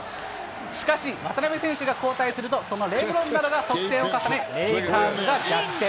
しかし渡邊選手が交代すると、そのレブロンなどが得点を重ね、レイカーズが逆転。